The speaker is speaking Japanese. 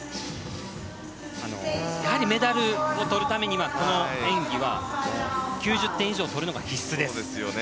やはりメダルをとるためにはこの演技は９０点以上取るのが必須です。